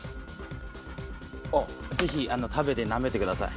ぜひ食べてなめてください。